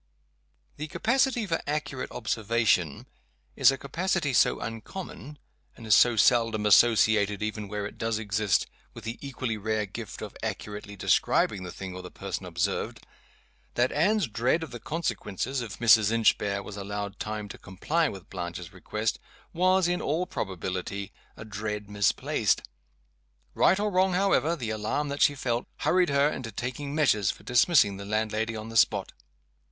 The capacity for accurate observation is a capacity so uncommon, and is so seldom associated, even where it does exist, with the equally rare gift of accurately describing the thing or the person observed, that Anne's dread of the consequences if Mrs. Inchbare was allowed time to comply with Blanches request, was, in all probability, a dread misplaced. Right or wrong, however, the alarm that she felt hurried her into taking measures for dismissing the landlady on the spot.